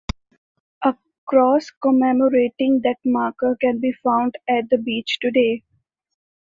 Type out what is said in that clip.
A cross commemorating that marker can be found at the beach today.